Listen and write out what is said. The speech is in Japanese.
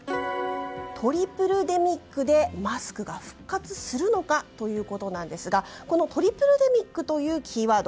トリプルデミックでマスクが復活するのかということなんですがこのトリプルデミックというキーワード